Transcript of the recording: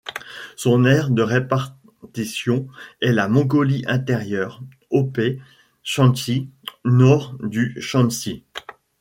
Son aire de répartition est la Mongolie Intérieure, Hopei, Chansi, nord du Chensi.